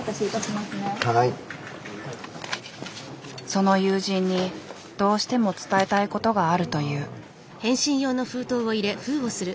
その友人にどうしても伝えたいことがあるという。